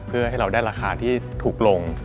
เพื่อให้เราได้ราคาที่ถูกลง